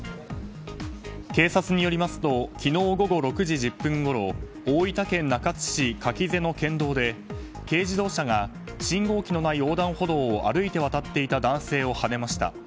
警察によりますと昨日午後６時１０分ごろ大分県中津市蛎瀬の県道で軽自動車が信号機のない横断歩道を歩いて渡っていた男性をはねました。